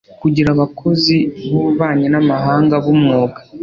kugira abakozi b'ububanyi n'amahanga b'umwuga